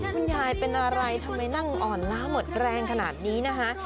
คุณยายเป็นอะไรทำไมนั่งอ่อนล้าหมดแรงขนาดนี้นะคะ